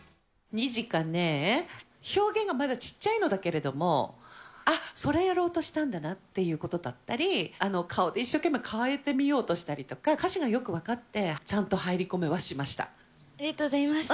ニジカねえ、表現がまだちっちゃいのだけれども、あっ、それやろうとしたんだなっていうことだったり、顔で一生懸命変えてみようとしたりとか、歌詞がよく分かって、ありがとうございます。